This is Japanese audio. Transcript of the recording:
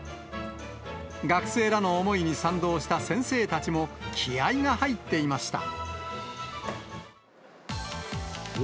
学生らの思いに賛同した先生たちも、気合いが入っていました。